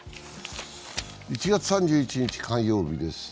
１月３１日火曜日です。